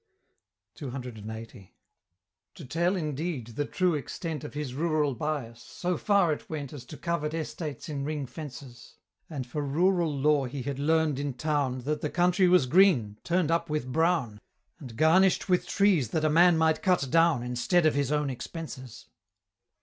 CCLXXX. To tell, indeed, the true extent Of his rural bias, so far it went As to covet estates in ring fences And for rural lore he had learn'd in town That the country was green, turn'd up with brown, And garnish'd with trees that a man might cut down Instead of his own expenses.